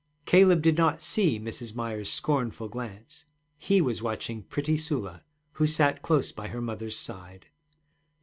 Caleb did not see Mrs. Myers's scornful glance; he was watching pretty Sula, who sat close by her mother's side.